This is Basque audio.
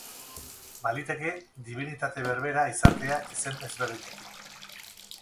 Baliteke dibinitate berbera izatea izen ezberdinekin.